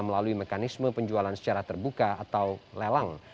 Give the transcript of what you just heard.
melalui mekanisme penjualan secara terbuka atau lelang